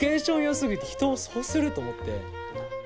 すぎて人をそうすると思って。